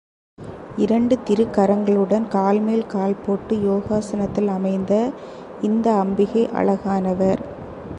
இரண்டு திருக்கரங்களுடன் கால்மேல் கால் போட்டு யோகாசனத்தில் அமைந்த இந்த அம்பிகை அழகானவர்.